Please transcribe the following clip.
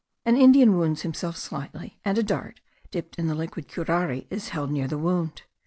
An Indian wounds himself slightly; and a dart dipped in the liquid curare is held near the wound.